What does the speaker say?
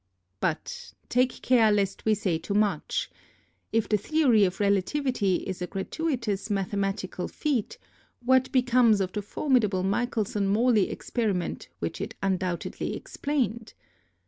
But take care lest we say too much. If the theory of relativity is a gratuitous mathematical feat, what becomes of the formidable Michelson Morley experi ment which it undoubtedly explained?